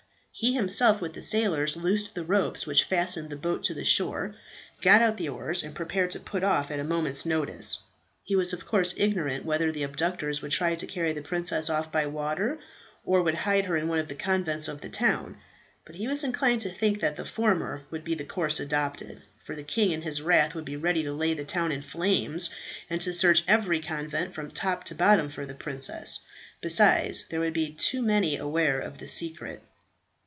He himself with the sailors loosed the ropes which fastened the boat to shore, got out the oars, and prepared to put off at a moment's notice. He was of course ignorant whether the abductors would try to carry the princess off by water, or would hide her in one of the convents of the town; but he was inclined to think that the former would be the course adopted; for the king in his wrath would be ready to lay the town in flames, and to search every convent from top to bottom for the princess. Besides, there would be too many aware of the secret.